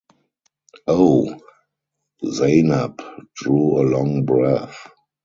“Oh!” Zainab drew a long breath.